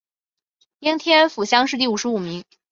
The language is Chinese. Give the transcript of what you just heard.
应天府乡试第五十五名。